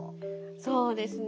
そうですね。